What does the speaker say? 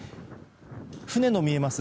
船の見えます